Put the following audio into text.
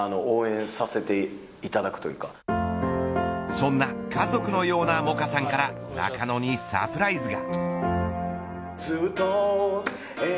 そんな家族のようなＭＯＣＡさんから中野にサプライズが。